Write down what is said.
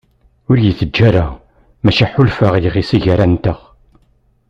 Ur iyi-teǧǧi ara maca ḥulfaɣ i yiɣisi gar-anteɣ.